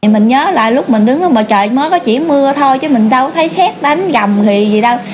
mình nhớ là lúc mình đứng đó trời mới có chỉ mưa thôi chứ mình đâu thấy xét đánh gầm gì đâu